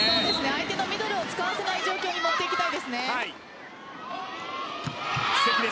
相手のミドルを使わせない状況に持っていきたいですね。